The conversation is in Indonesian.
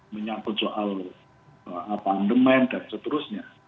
menyambut soal pandemen dan seterusnya